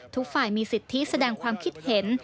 ทุกฝ่ายมีสิทธิแสดงความคิดเห็น